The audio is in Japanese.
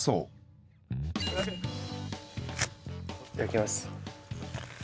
いただきます。